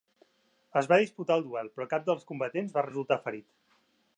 Es va disputar el duel, però cap dels combatents va resultar ferit.